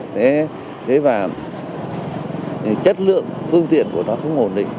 thế và chất lượng phương tiện của nó không ổn định